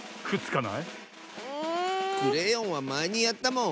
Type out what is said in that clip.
クレヨンはまえにやったもん！